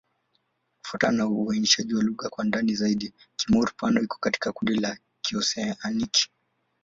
Kufuatana na uainishaji wa lugha kwa ndani zaidi, Kimur-Pano iko katika kundi la Kioseaniki.